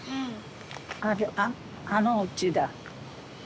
あれあっあのうちだ。